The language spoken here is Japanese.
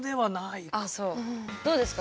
どうですか？